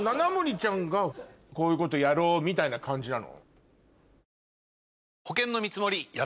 ちゃんがこういうことやろうみたいな感じなの？